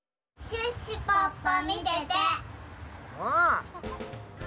シュッシュポッポみてて！